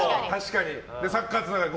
サッカーつながりで。